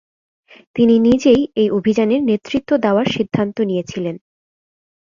তিনি নিজেই এই অভিযানের নেতৃত্ব দেওয়ার সিদ্ধান্ত নিয়েছিলেন।